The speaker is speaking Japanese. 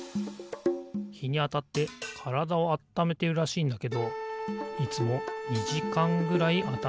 ひにあたってからだをあっためてるらしいんだけどいつも２じかんぐらいあたってんだよな。